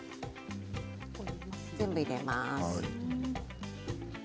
全部入れます。